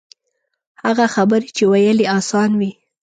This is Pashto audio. هغه خبرې چې ویل یې آسان وي.